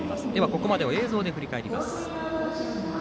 ここまでを映像で振り返ります。